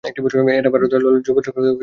এটা ভারত লালের শোভাযাত্রার নিমন্ত্রণ পত্র।